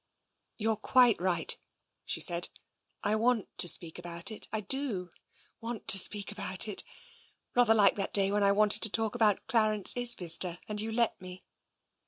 *' You're quite right," she said, " I want to speak about it. I do want to speak about it. Rather like that day when I wanted to talk about Clarence Isbister, and you let me.